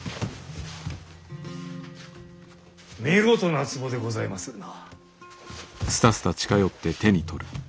見事なつぼでございまするな。